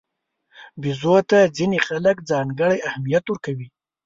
بیزو ته ځینې خلک ځانګړی اهمیت ورکوي.